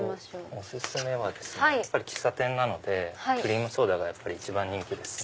お薦めはですね喫茶店なのでクリームソーダが一番人気ですね。